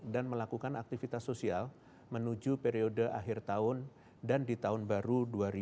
dan melakukan aktivitas sosial menuju periode akhir tahun dan di tahun baru dua ribu dua puluh dua